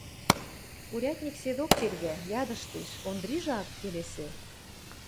Урядник седок тергӓ, ядыштеш, Ондрижӹ ак келесӹ.